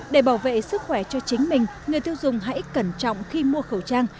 để bảo vệ sức khỏe cho chính mình người tiêu dùng hãy cẩn trọng khi mua khẩu trang